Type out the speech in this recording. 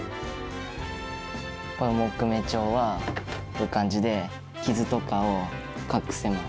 この木目調はこういう感じで傷とかを隠せます。